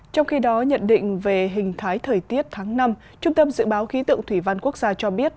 trong khi đó nhận định về hình thái thời tiết tháng năm trung tâm dự báo khí tượng thủy văn quốc gia cho biết